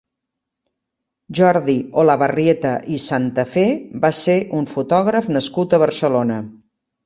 Jordi Olavarrieta i Santafé va ser un fotògraf nascut a Barcelona.